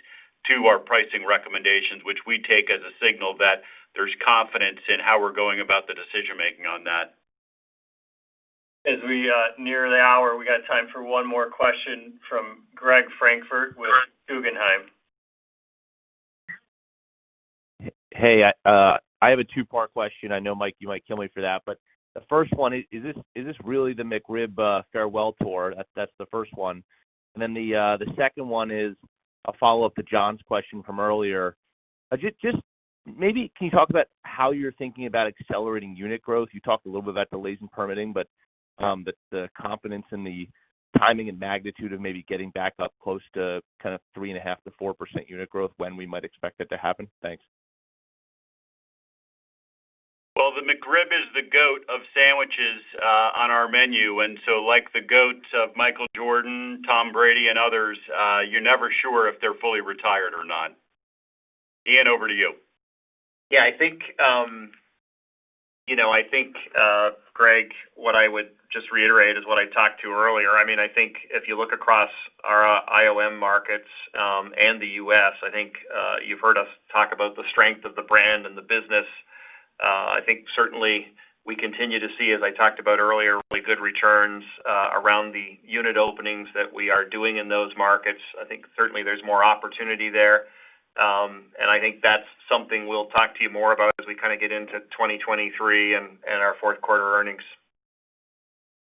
to our pricing recommendations, which we take as a signal that there's confidence in how we're going about the decision-making on that. As we near the hour, we got time for one more question from Gregory Francfort with Guggenheim. Hey, I have a two-part question. I know, Mike, you might kill me for that. The first one, is this really the McRib farewell tour? That's the first one. Then the second one is a follow-up to John's question from earlier. Just maybe can you talk about how you're thinking about accelerating unit growth? You talked a little bit about the lease and permitting, but the confidence in the timing and magnitude of maybe gett ing back up close to kind of 3.5%-4% unit growth, when we might expect that to happen. Thanks. Well, the McRib is the GOAT of sandwiches on our menu. Like the GOATs of Michael Jordan, Tom Brady, and others, you're never sure if they're fully retired or not. Ian, over to you. Yeah, I think, you know, I think, Greg, what I would just reiterate is what I talked about earlier. I mean, I think if you look across our IOM markets and the US, I think you've heard us talk about the strength of the brand and the business. I think certainly we continue to see, as I talked about earlier, really good returns around the unit openings that we are doing in those markets. I think certainly there's more opportunity there. I think that's something we'll talk to you more about as we kinda get into 2023 and our fourth quarter earnings.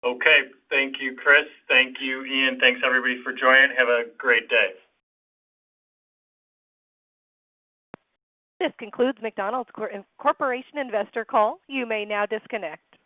Okay. Thank you, Chris. Thank you, Ian. Thanks everybody for joining. Have a great day. This concludes McDonald's Corporation investor call. You may now disconnect.